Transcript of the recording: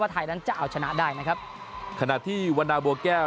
ไทยนั้นจะเอาชนะได้นะครับขณะที่วันนาบัวแก้ว